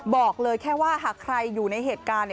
บอกเลยแค่ว่าหากใครอยู่ในเหตุการณ์